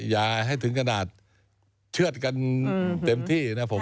อย่าให้ถึงขนาดเชื่อดกันเต็มที่นะผม